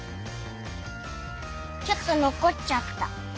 ちょっとのこっちゃった。